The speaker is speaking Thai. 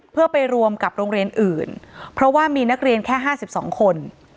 เพื่อไปรวมกับโรงเรียนอื่นเพราะว่ามีนักเรียนแค่๕๒คน